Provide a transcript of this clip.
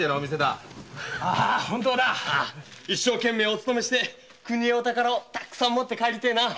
一生懸命お勤めして郷里へお宝をタント持って帰りてえな。